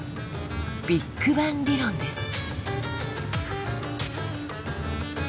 「ビッグバン理論」です。